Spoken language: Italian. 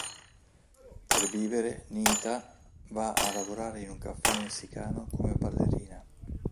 Per vivere, Nita va a lavorare in un caffè messicano come ballerina.